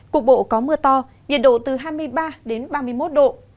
cục bộ có mưa to nhiệt độ từ hai mươi ba đến ba mươi một độ